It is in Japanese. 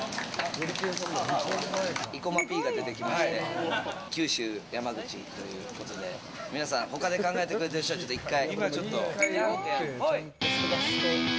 生駒Ｐが出てきまして九州・山口ということで皆さん、他で考えてくれている人たちは１回。